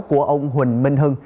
của ông huỳnh minh hưng